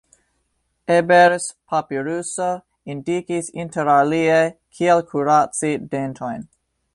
Ebers-papiruso indikis interalie kiel kuraci dentojn.